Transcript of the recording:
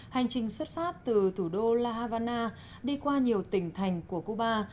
hành trình xuất phát từ thủ đô la havana đi qua nhiều tỉnh thành của cuba